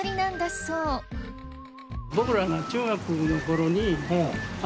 そう僕らが中学のころに。